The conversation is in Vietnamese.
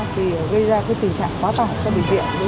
thì gây ra tình trạng quá tải cho bệnh viện